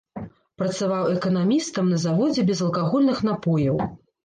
Працаваў эканамістам на заводзе безалкагольных напояў.